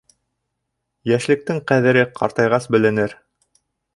Йәшлектең ҡәҙере ҡартайғас беленер.